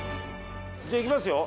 じゃあ行きますよ。